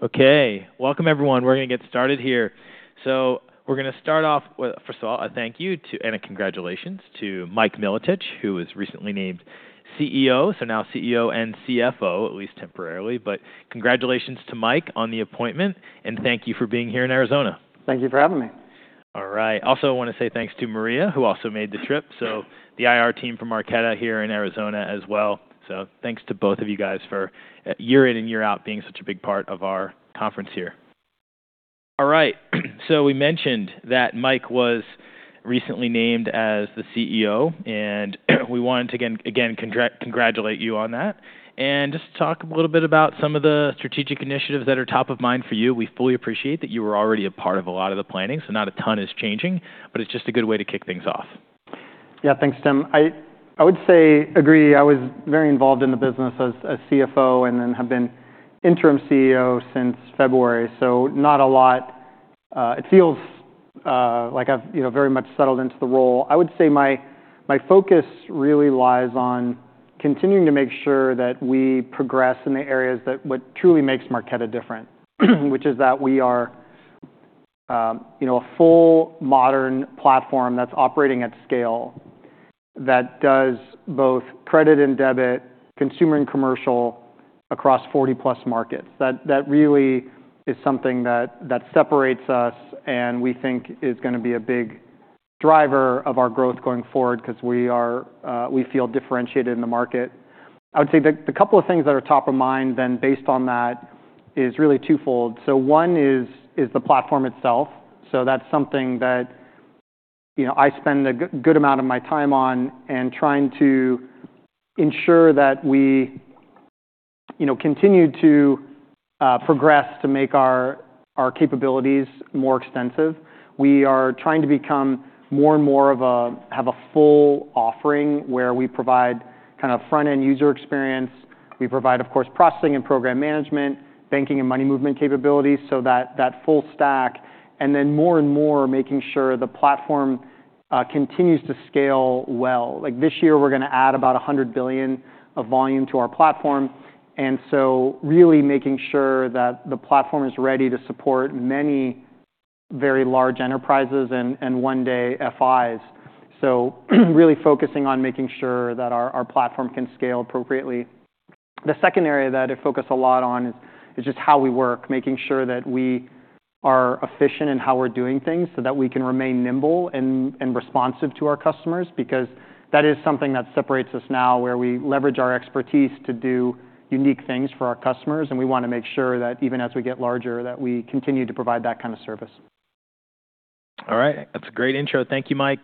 Okay. Welcome, everyone. We're going to get started here. So we're going to start off with, first of all, a thank you to, and a congratulations to Mike Milotich, who was recently named CEO, so now CEO and CFO, at least temporarily. But congratulations to Mike on the appointment, and thank you for being here in Arizona. Thank you for having me. All right. Also, I want to say thanks to Maria, who also made the trip. So the IR team from Marqeta here in Arizona as well. So thanks to both of you guys for, year in and year out, being such a big part of our conference here. All right. So we mentioned that Mike was recently named as the CEO, and we wanted to, again, congratulate you on that. And just to talk a little bit about some of the strategic initiatives that are top of mind for you. We fully appreciate that you were already a part of a lot of the planning, so not a ton is changing, but it's just a good way to kick things off. Yeah, thanks, Tim. I would say, agree. I was very involved in the business as CFO and then have been interim CEO since February, so not a lot. It feels like I've very much settled into the role. I would say my focus really lies on continuing to make sure that we progress in the areas that what truly makes Marqeta different, which is that we are a full, modern platform that's operating at scale, that does both credit and debit, consumer and commercial, across 40-plus markets. That really is something that separates us and we think is going to be a big driver of our growth going forward because we feel differentiated in the market. I would say the couple of things that are top of mind, then, based on that, is really twofold. So one is the platform itself. So that's something that I spend a good amount of my time on and trying to ensure that we continue to progress to make our capabilities more extensive. We are trying to become more and more of a full offering where we provide kind of front-end user experience. We provide, of course, processing and program management, banking and money movement capabilities, so that full stack, and then more and more making sure the platform continues to scale well. This year, we're going to add about 100 billion of volume to our platform, and so really making sure that the platform is ready to support many very large enterprises and one-day FIs. So really focusing on making sure that our platform can scale appropriately. The second area that I focus a lot on is just how we work, making sure that we are efficient in how we're doing things so that we can remain nimble and responsive to our customers, because that is something that separates us now, where we leverage our expertise to do unique things for our customers, and we want to make sure that even as we get larger, that we continue to provide that kind of service. All right. That's a great intro. Thank you, Mike.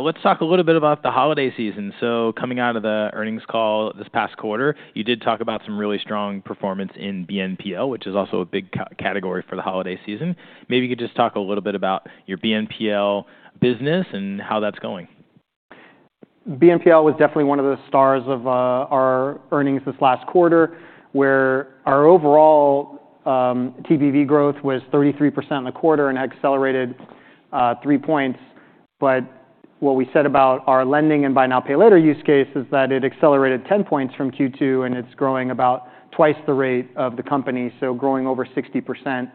Let's talk a little bit about the holiday season. So coming out of the earnings call this past quarter, you did talk about some really strong performance in BNPL, which is also a big category for the holiday season. Maybe you could just talk a little bit about your BNPL business and how that's going. BNPL was definitely one of the stars of our earnings this last quarter, where our overall TPV growth was 33% in the quarter and accelerated 3 points. What we said about our lending and buy now, pay later use case is that it accelerated 10 points from Q2, and it's growing about twice the rate of the company, so growing over 60%.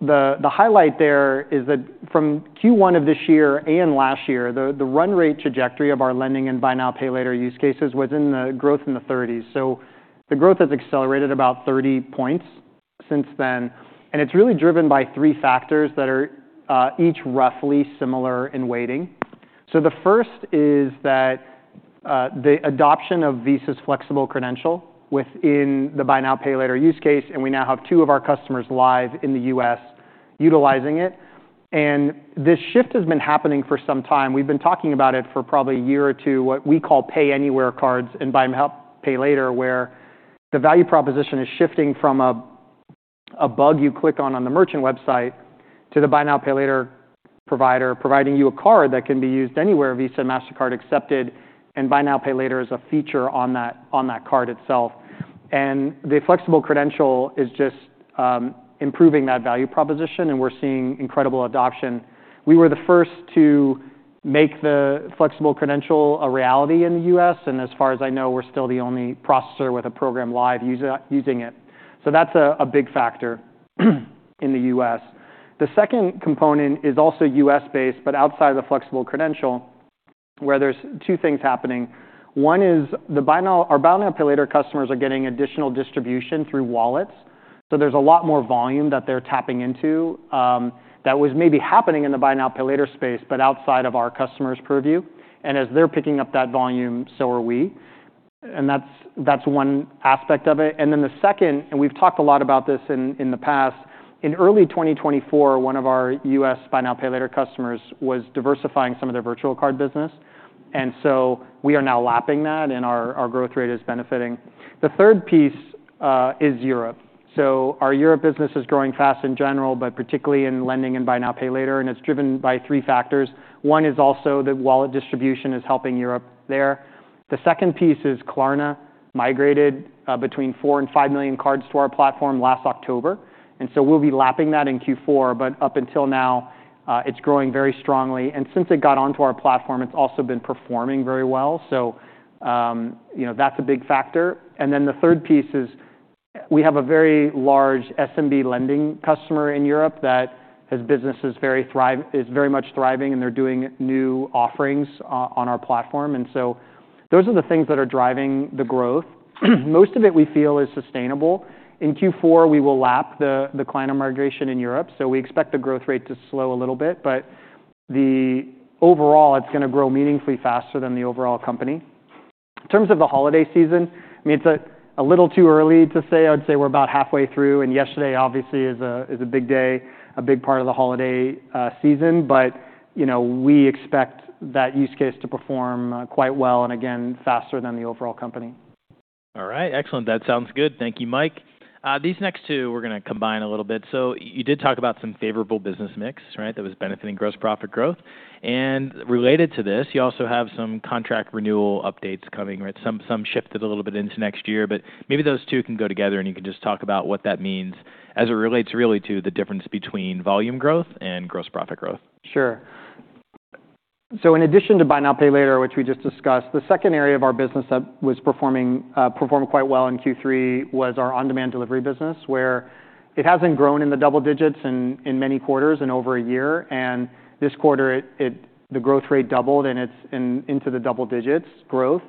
The highlight there is that from Q1 of this year and last year, the run rate trajectory of our lending and buy now, pay later use cases was in the growth in the 30s. The growth has accelerated about 30 points since then, and it's really driven by three factors that are each roughly similar in weighting. The first is that the adoption of Visa's Flexible Credential within the buy now, pay later use case, and we now have two of our customers live in the U.S. utilizing it. And this shift has been happening for some time. We've been talking about it for probably a year or two, what we call pay anywhere cards and buy now, pay later, where the value proposition is shifting from a button you click on on the merchant website to the buy now, pay later provider providing you a card that can be used anywhere, Visa and Mastercard accepted, and buy now, pay later is a feature on that card itself. And the Flexible Credential is just improving that value proposition, and we're seeing incredible adoption. We were the first to make the flexible credential a reality in the U.S., and as far as I know, we're still the only processor with a program live using it. So that's a big factor in the U.S. The second component is also U.S.-based, but outside of the flexible credential, where there's two things happening. One is our buy now, pay later customers are getting additional distribution through wallets, so there's a lot more volume that they're tapping into that was maybe happening in the buy now, pay later space, but outside of our customers' purview, and as they're picking up that volume, so are we, and that's one aspect of it. Then the second, and we've talked a lot about this in the past, in early 2024, one of our U.S. buy now, pay later customers was diversifying some of their virtual card business, and so we are now lapping that, and our growth rate is benefiting. The third piece is Europe. Our Europe business is growing fast in general, but particularly in lending and buy now, pay later, and it's driven by three factors. One is also that wallet distribution is helping Europe there. The second piece is Klarna migrated between four and five million cards to our platform last October, and so we'll be lapping that in Q4, but up until now, it's growing very strongly. Since it got onto our platform, it's also been performing very well, so that's a big factor. And then the third piece is we have a very large SMB lending customer in Europe that has businesses very much thriving, and they're doing new offerings on our platform. And so those are the things that are driving the growth. Most of it, we feel, is sustainable. In Q4, we will lap the Klarna migration in Europe, so we expect the growth rate to slow a little bit, but overall, it's going to grow meaningfully faster than the overall company. In terms of the holiday season, I mean, it's a little too early to say. I would say we're about halfway through, and yesterday, obviously, is a big day, a big part of the holiday season, but we expect that use case to perform quite well and, again, faster than the overall company. All right. Excellent. That sounds good. Thank you, Mike. These next two, we're going to combine a little bit. So you did talk about some favorable business mix, right, that was benefiting gross profit growth. And related to this, you also have some contract renewal updates coming, right? Some shifted a little bit into next year, but maybe those two can go together, and you can just talk about what that means as it relates really to the difference between volume growth and gross profit growth. Sure. So in addition to buy now, pay later, which we just discussed, the second area of our business that was performing quite well in Q3 was our on-demand delivery business, where it hasn't grown in the double digits in many quarters in over a year. And this quarter, the growth rate doubled, and it's into the double digits growth.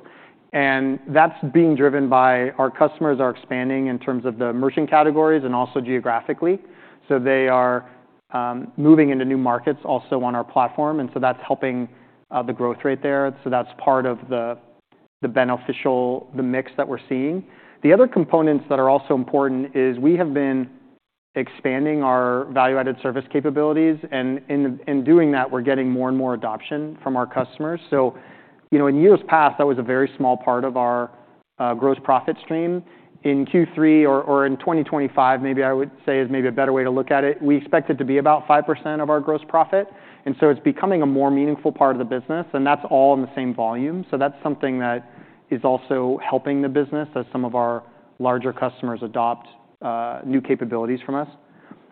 And that's being driven by our customers are expanding in terms of the merchant categories and also geographically. So they are moving into new markets also on our platform, and so that's helping the growth rate there. So that's part of the beneficial, the mix that we're seeing. The other components that are also important is we have been expanding our value-added service capabilities, and in doing that, we're getting more and more adoption from our customers. In years past, that was a very small part of our gross profit stream. In Q3 or in 2025, maybe I would say is maybe a better way to look at it, we expect it to be about 5% of our gross profit, and so it's becoming a more meaningful part of the business, and that's all in the same volume. That's something that is also helping the business as some of our larger customers adopt new capabilities from us.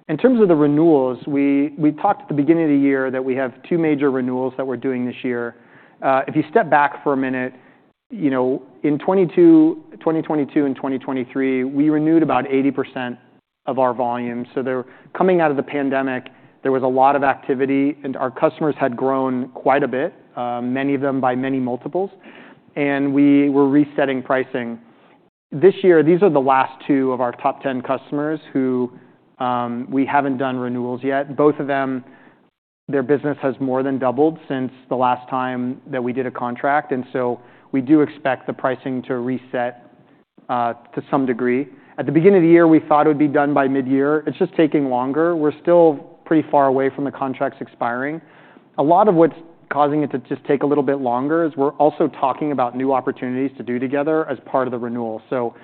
In terms of the renewals, we talked at the beginning of the year that we have two major renewals that we're doing this year. If you step back for a minute, in 2022 and 2023, we renewed about 80% of our volume. So coming out of the pandemic, there was a lot of activity, and our customers had grown quite a bit, many of them by many multiples, and we were resetting pricing. This year, these are the last two of our top 10 customers who we haven't done renewals yet. Both of them, their business has more than doubled since the last time that we did a contract, and so we do expect the pricing to reset to some degree. At the beginning of the year, we thought it would be done by mid-year. It's just taking longer. We're still pretty far away from the contracts expiring. A lot of what's causing it to just take a little bit longer is we're also talking about new opportunities to do together as part of the renewal. So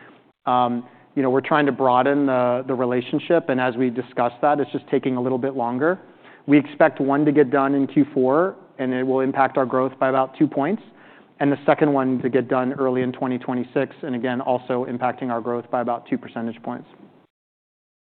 we're trying to broaden the relationship, and as we discussed that, it's just taking a little bit longer. We expect one to get done in Q4, and it will impact our growth by about 2 points, and the second one to get done early in 2026, and again, also impacting our growth by about 2 percentage points.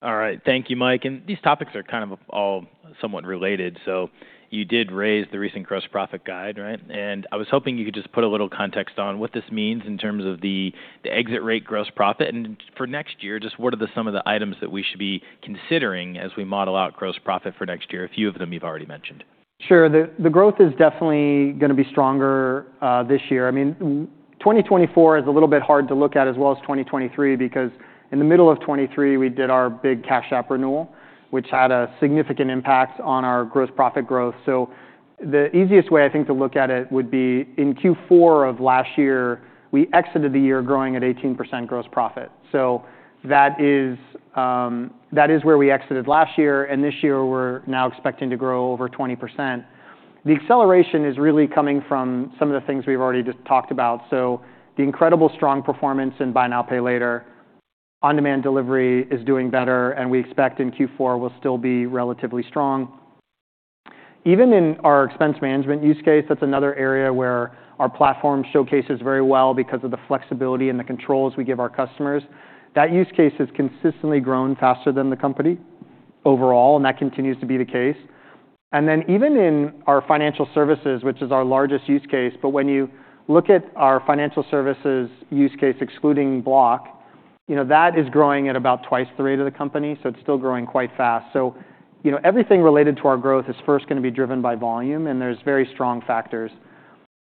All right. Thank you, Mike. And these topics are kind of all somewhat related. So you did raise the recent gross profit guidance, right? And I was hoping you could just put a little context on what this means in terms of the exit rate gross profit. And for next year, just what are some of the items that we should be considering as we model out gross profit for next year? A few of them you've already mentioned. Sure. The growth is definitely going to be stronger this year. I mean, 2024 is a little bit hard to look at as well as 2023 because in the middle of 2023, we did our big Cash App renewal, which had a significant impact on our gross profit growth. So the easiest way, I think, to look at it would be in Q4 of last year, we exited the year growing at 18% gross profit. So that is where we exited last year, and this year, we're now expecting to grow over 20%. The acceleration is really coming from some of the things we've already just talked about. So the incredible strong performance in buy now, pay later, on-demand delivery is doing better, and we expect in Q4 will still be relatively strong. Even in our expense management use case, that's another area where our platform showcases very well because of the flexibility and the controls we give our customers. That use case has consistently grown faster than the company overall, and that continues to be the case. And then even in our financial services, which is our largest use case, but when you look at our financial services use case excluding Block, that is growing at about twice the rate of the company, so it's still growing quite fast. So everything related to our growth is first going to be driven by volume, and there's very strong factors.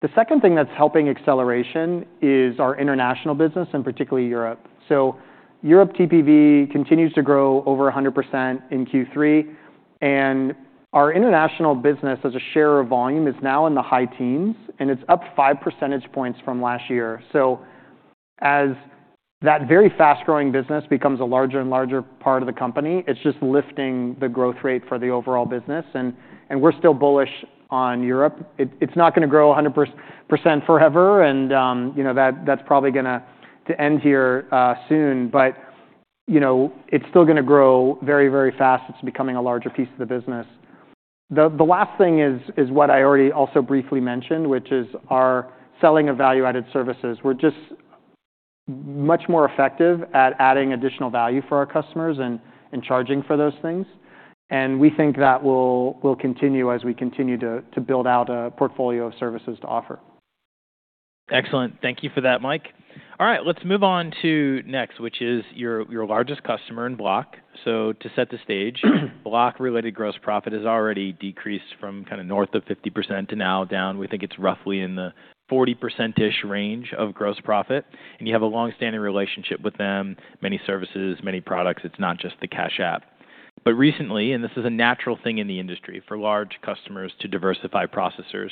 The second thing that's helping acceleration is our international business and particularly Europe. So Europe TPV continues to grow over 100% in Q3, and our international business as a share of volume is now in the high teens, and it's up five percentage points from last year. So as that very fast-growing business becomes a larger and larger part of the company, it's just lifting the growth rate for the overall business, and we're still bullish on Europe. It's not going to grow 100% forever, and that's probably going to end here soon, but it's still going to grow very, very fast. It's becoming a larger piece of the business. The last thing is what I already also briefly mentioned, which is our selling of value-added services. We're just much more effective at adding additional value for our customers and charging for those things, and we think that will continue as we continue to build out a portfolio of services to offer. Excellent. Thank you for that, Mike. All right. Let's move on to next, which is your largest customer in Block. So to set the stage, Block-related gross profit has already decreased from kind of north of 50% to now down. We think it's roughly in the 40%-ish range of gross profit, and you have a long-standing relationship with them, many services, many products. It's not just the Cash App. But recently, and this is a natural thing in the industry for large customers to diversify processors,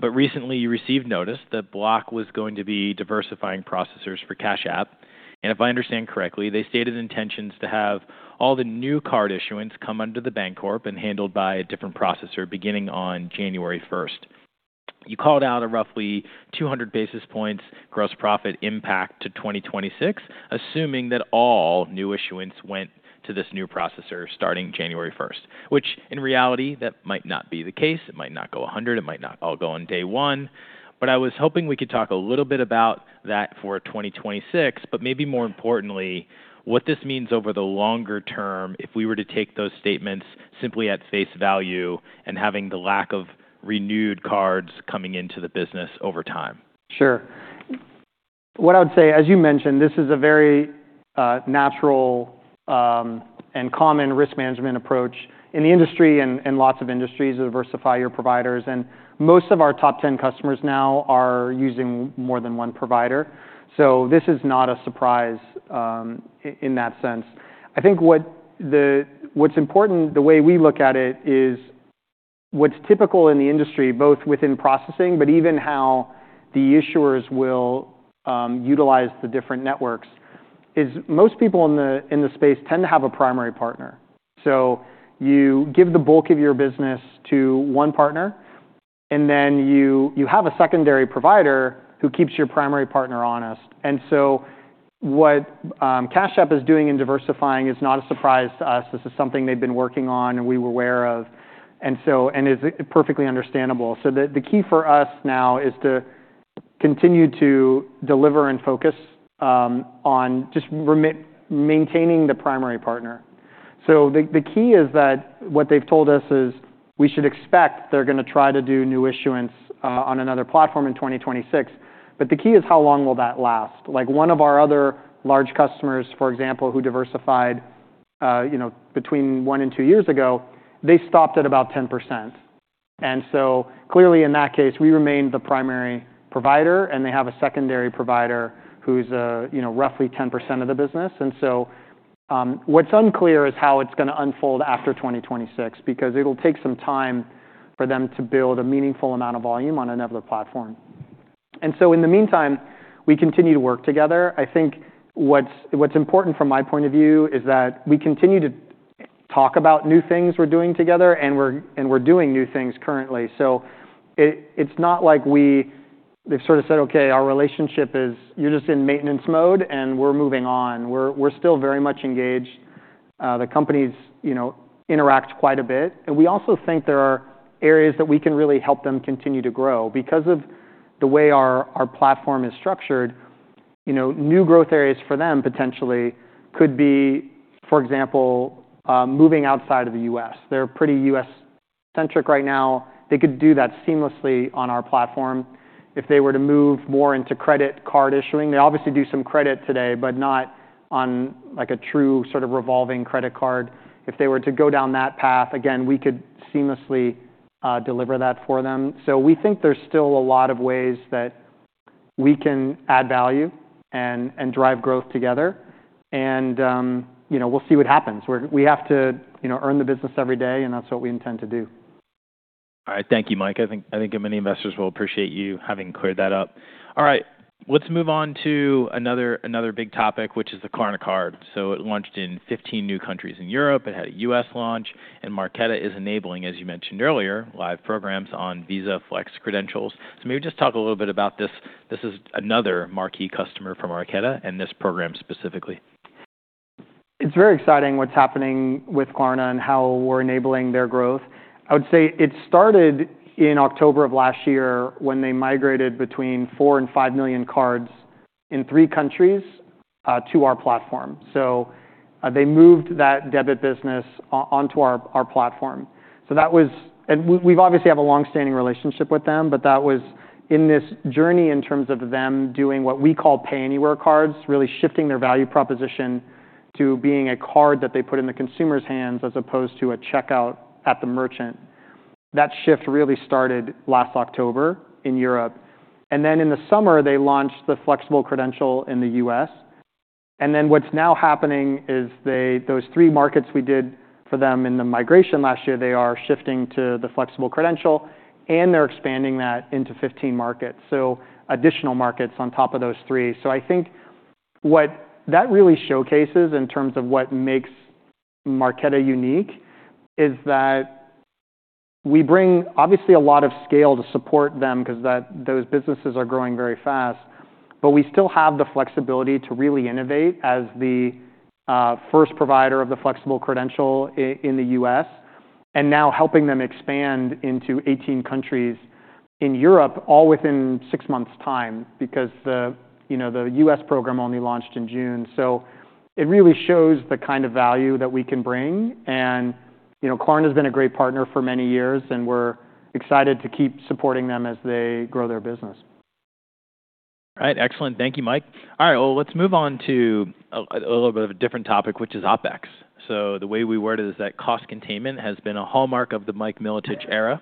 but recently, you received notice that Block was going to be diversifying processors for Cash App. And if I understand correctly, they stated intentions to have all the new card issuance come under The Bancorp and handled by a different processor beginning on January 1st. You called out a roughly 200 basis points gross profit impact to 2026, assuming that all new issuance went to this new processor starting January 1st, which in reality, that might not be the case. It might not go 100. It might not all go on day one, but I was hoping we could talk a little bit about that for 2026, but maybe more importantly, what this means over the longer term if we were to take those statements simply at face value and having the lack of renewed cards coming into the business over time. Sure. What I would say, as you mentioned, this is a very natural and common risk management approach in the industry and lots of industries to diversify your providers. And most of our top 10 customers now are using more than one provider, so this is not a surprise in that sense. I think what's important, the way we look at it, is what's typical in the industry, both within processing, but even how the issuers will utilize the different networks, is most people in the space tend to have a primary partner. So you give the bulk of your business to one partner, and then you have a secondary provider who keeps your primary partner honest. And so what Cash App is doing in diversifying is not a surprise to us. This is something they've been working on and we were aware of, and it's perfectly understandable. So the key for us now is to continue to deliver and focus on just maintaining the primary partner. So the key is that what they've told us is we should expect they're going to try to do new issuance on another platform in 2026, but the key is how long will that last. One of our other large customers, for example, who diversified between one and two years ago, they stopped at about 10%. And so clearly, in that case, we remain the primary provider, and they have a secondary provider who's roughly 10% of the business. And so what's unclear is how it's going to unfold after 2026 because it'll take some time for them to build a meaningful amount of volume on another platform. And so in the meantime, we continue to work together. I think what's important from my point of view is that we continue to talk about new things we're doing together, and we're doing new things currently. So it's not like we've sort of said, "Okay, our relationship is you're just in maintenance mode, and we're moving on." We're still very much engaged. The companies interact quite a bit, and we also think there are areas that we can really help them continue to grow. Because of the way our platform is structured, new growth areas for them potentially could be, for example, moving outside of the U.S. They're pretty U.S.-centric right now. They could do that seamlessly on our platform. If they were to move more into credit card issuing, they obviously do some credit today, but not on a true sort of revolving credit card. If they were to go down that path, again, we could seamlessly deliver that for them. So we think there's still a lot of ways that we can add value and drive growth together, and we'll see what happens. We have to earn the business every day, and that's what we intend to do. All right. Thank you, Mike. I think many investors will appreciate you having cleared that up. All right. Let's move on to another big topic, which is the Klarna Card. So it launched in 15 new countries in Europe. It had a U.S. launch, and Marqeta is enabling, as you mentioned earlier, live programs on Visa Flexible Credential. So maybe just talk a little bit about this. This is another marquee customer from Marqeta and this program specifically. It's very exciting what's happening with Klarna and how we're enabling their growth. I would say it started in October of last year when they migrated between four and five million cards in three countries to our platform. So they moved that debit business onto our platform. So that was, and we obviously have a long-standing relationship with them, but that was in this journey in terms of them doing what we call pay-anywhere cards, really shifting their value proposition to being a card that they put in the consumer's hands as opposed to a checkout at the merchant. That shift really started last October in Europe. And then in the summer, they launched the flexible credential in the U.S. And then what's now happening is those three markets we did for them in the migration last year, they are shifting to the flexible credential, and they're expanding that into 15 markets, so additional markets on top of those three. So I think what that really showcases in terms of what makes Marqeta unique is that we bring obviously a lot of scale to support them because those businesses are growing very fast, but we still have the flexibility to really innovate as the first provider of the flexible credential in the U.S. and now helping them expand into 18 countries in Europe all within six months' time because the U.S. program only launched in June. So it really shows the kind of value that we can bring, and Klarna has been a great partner for many years, and we're excited to keep supporting them as they grow their business. All right. Excellent. Thank you, Mike. All right. Well, let's move on to a little bit of a different topic, which is OpEx. So the way we word it is that cost containment has been a hallmark of the Mike Milotich era,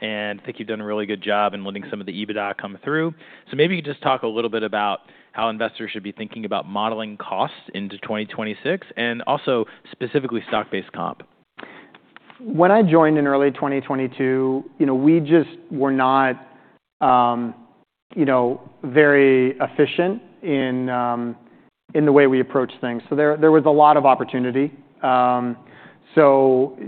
and I think you've done a really good job in letting some of the EBITDA come through. So maybe you could just talk a little bit about how investors should be thinking about modeling costs into 2026 and also specifically stock-based comp. When I joined in early 2022, we just were not very efficient in the way we approached things. So there was a lot of opportunity. So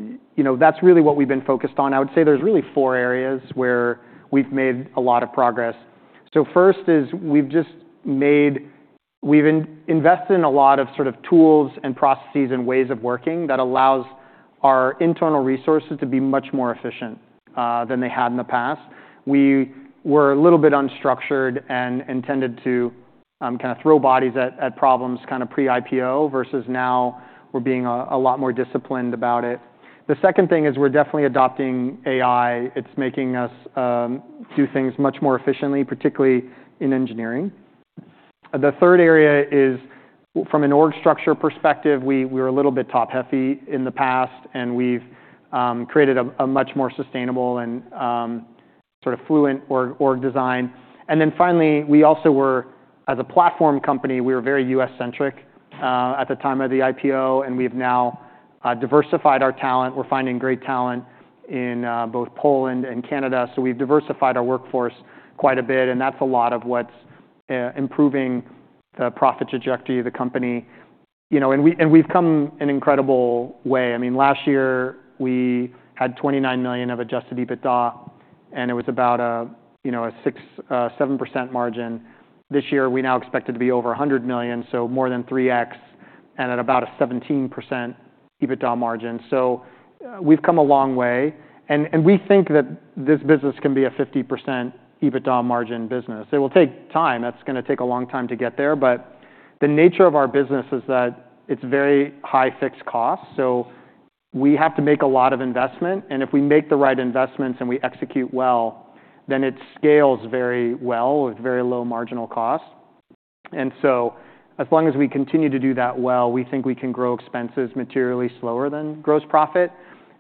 that's really what we've been focused on. I would say there's really four areas where we've made a lot of progress. So first is we've just invested in a lot of sort of tools and processes and ways of working that allows our internal resources to be much more efficient than they had in the past. We were a little bit unstructured and intended to kind of throw bodies at problems kind of pre-IPO versus now we're being a lot more disciplined about it. The second thing is we're definitely adopting AI. It's making us do things much more efficiently, particularly in engineering. The third area is from an org structure perspective, we were a little bit top-heavy in the past, and we've created a much more sustainable and sort of fluent org design. And then finally, we also were, as a platform company, we were very U.S.-centric at the time of the IPO, and we've now diversified our talent. We're finding great talent in both Poland and Canada. So we've diversified our workforce quite a bit, and that's a lot of what's improving the profit trajectory of the company. And we've come an incredible way. I mean, last year, we had $29 million of adjusted EBITDA, and it was about a 6%, 7% margin. This year, we now expect it to be over $100 million, so more than 3X and at about a 17% EBITDA margin. We've come a long way, and we think that this business can be a 50% EBITDA margin business. It will take time. That's going to take a long time to get there, but the nature of our business is that it's very high fixed costs. So we have to make a lot of investment, and if we make the right investments and we execute well, then it scales very well with very low marginal cost. And so as long as we continue to do that well, we think we can grow expenses materially slower than gross profit.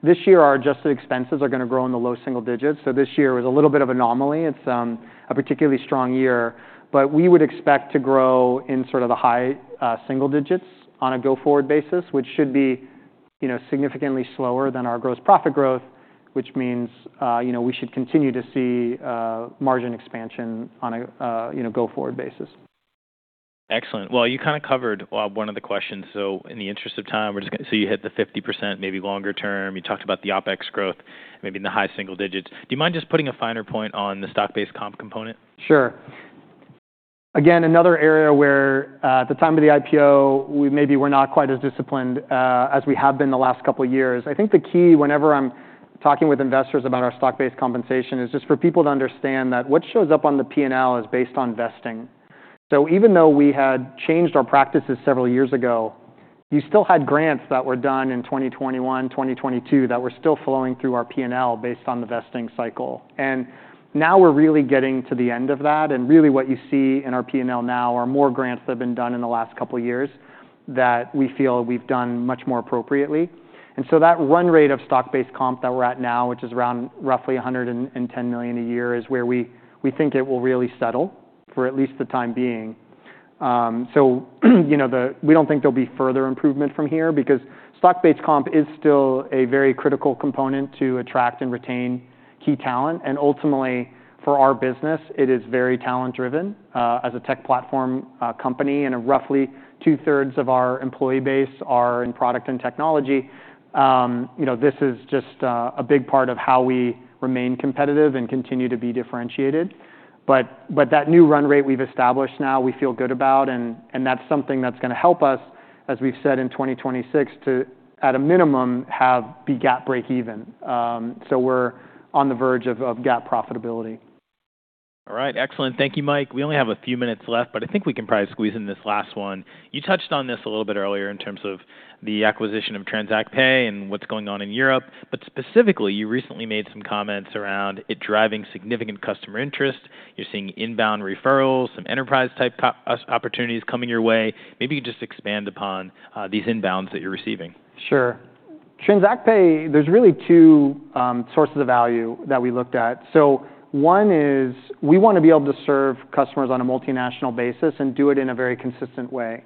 This year, our adjusted expenses are going to grow in the low single digits%. So this year was a little bit of an anomaly. It's a particularly strong year, but we would expect to grow in sort of the high single digits on a go-forward basis, which should be significantly slower than our gross profit growth, which means we should continue to see margin expansion on a go-forward basis. Excellent. Well, you kind of covered one of the questions. So in the interest of time, we're just going to say you hit the 50%, maybe longer term. You talked about the OPEX growth, maybe in the high single digits. Do you mind just putting a finer point on the stock-based comp component? Sure. Again, another area where at the time of the IPO, maybe we're not quite as disciplined as we have been the last couple of years. I think the key, whenever I'm talking with investors about our stock-based compensation, is just for people to understand that what shows up on the P&L is based on vesting. So even though we had changed our practices several years ago, you still had grants that were done in 2021, 2022, that were still flowing through our P&L based on the vesting cycle, and now we're really getting to the end of that, and really what you see in our P&L now are more grants that have been done in the last couple of years that we feel we've done much more appropriately. And so that run rate of stock-based comp that we're at now, which is around roughly $110 million a year, is where we think it will really settle for at least the time being. So we don't think there'll be further improvement from here because stock-based comp is still a very critical component to attract and retain key talent. And ultimately, for our business, it is very talent-driven as a tech platform company, and roughly two-thirds of our employee base are in product and technology. This is just a big part of how we remain competitive and continue to be differentiated. But that new run rate we've established now, we feel good about, and that's something that's going to help us, as we've said in 2026, to at a minimum have GAAP break-even. So we're on the verge of GAAP profitability. All right. Excellent. Thank you, Mike. We only have a few minutes left, but I think we can probably squeeze in this last one. You touched on this a little bit earlier in terms of the acquisition of TransactPay and what's going on in Europe, but specifically, you recently made some comments around it driving significant customer interest. You're seeing inbound referrals, some enterprise-type opportunities coming your way. Maybe you could just expand upon these inbounds that you're receiving. Sure. TransactPay, there's really two sources of value that we looked at, so one is we want to be able to serve customers on a multinational basis and do it in a very consistent way,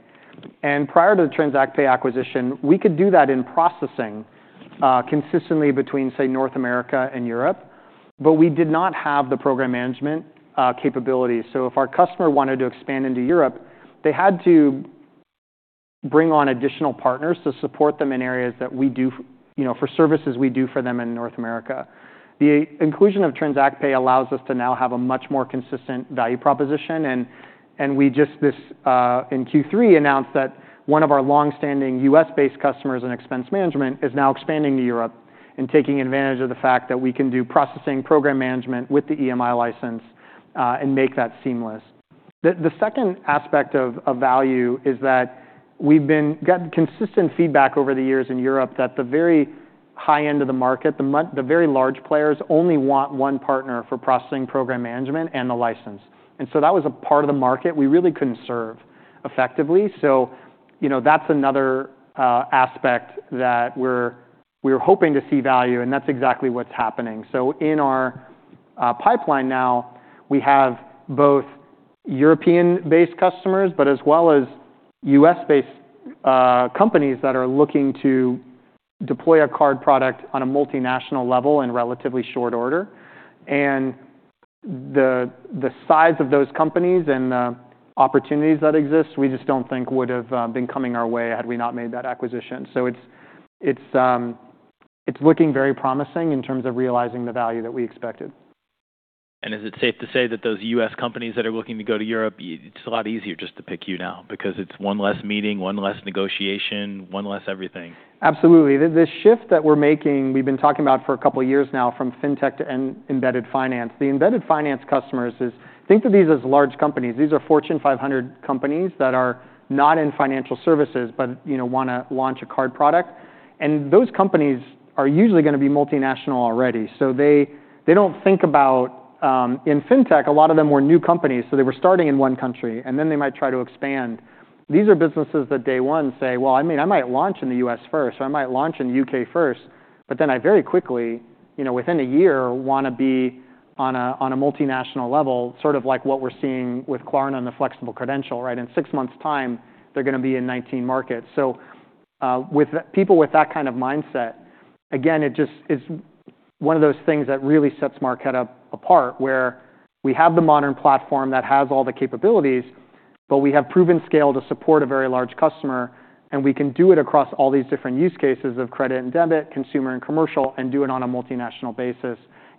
and prior to the TransactPay acquisition, we could do that in processing consistently between, say, North America and Europe, but we did not have the program management capability, so if our customer wanted to expand into Europe, they had to bring on additional partners to support them in areas that we do for services we do for them in North America. The inclusion of TransactPay allows us to now have a much more consistent value proposition, and we just in Q3 announced that one of our long-standing U.S.-based customers in expense management is now expanding to Europe and taking advantage of the fact that we can do processing program management with the EMI license and make that seamless. The second aspect of value is that we've gotten consistent feedback over the years in Europe that the very high end of the market, the very large players only want one partner for processing program management and the license. And so that was a part of the market we really couldn't serve effectively. So that's another aspect that we're hoping to see value, and that's exactly what's happening. So in our pipeline now, we have both European-based customers, but as well as US-based companies that are looking to deploy a card product on a multinational level in relatively short order. And the size of those companies and the opportunities that exist, we just don't think would have been coming our way had we not made that acquisition. So it's looking very promising in terms of realizing the value that we expected. Is it safe to say that those U.S. companies that are looking to go to Europe, it's a lot easier just to pick you now because it's one less meeting, one less negotiation, one less everything? Absolutely. The shift that we're making, we've been talking about for a couple of years now from fintech to embedded finance. The embedded finance customers, I think of these as large companies. These are Fortune 500 companies that are not in financial services but want to launch a card product. And those companies are usually going to be multinational already. So they don't think about in fintech, a lot of them were new companies, so they were starting in one country, and then they might try to expand. These are businesses that day one say, "Well, I mean, I might launch in the U.S. first, or I might launch in the U.K. first, but then I very quickly, within a year, want to be on a multinational level," sort of like what we're seeing with Klarna and the flexible credential, right? In six months' time, they're going to be in 19 markets. So with people with that kind of mindset, again, it just is one of those things that really sets Marqeta apart where we have the modern platform that has all the capabilities, but we have proven scale to support a very large customer, and we can do it across all these different use cases of credit and debit, consumer and commercial, and do it on a multinational basis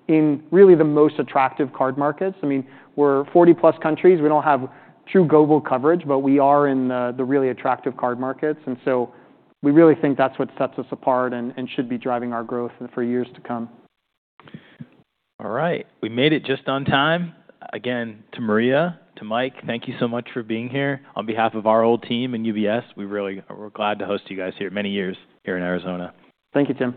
in really the most attractive card markets. I mean, we're 40-plus countries. We don't have true global coverage, but we are in the really attractive card markets. And so we really think that's what sets us apart and should be driving our growth for years to come. All right. We made it just on time. Again, to Maria, to Mike, thank you so much for being here. On behalf of our IR team and UBS, we're glad to host you guys here many years here in Arizona. Thank you, Tim.